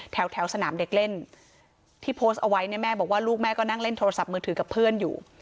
แถวสนามเด็กเล่นที่โพสต์เอาไว้เนี่ยแม่บอกว่าลูกแม่ก็นั่งเล่นโทรศัพท์มือถือกับเพื่อนอยู่